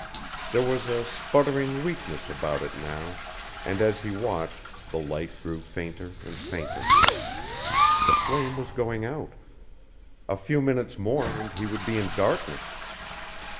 There was a sputtering weakness about it now, and as he watched the light grew fainter and fainter. The flame was going out. A few minutes more and he would be in darkness.